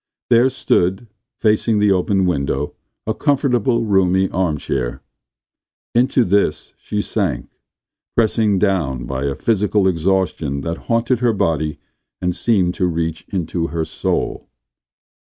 There stood, facing the open window, a comfortable, roomy armchair. Into this she sank, pressed down by a physical exhaustion that haunted her body and seemed to reach into her soul.